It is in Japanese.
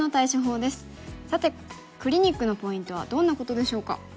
さてクリニックのポイントはどんなことでしょうか？